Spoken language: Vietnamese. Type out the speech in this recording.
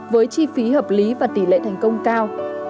với chi phí hợp lý và tỷ lệ thành công cao